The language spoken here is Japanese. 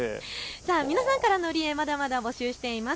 皆さんからの塗り絵、まだまだ募集しています。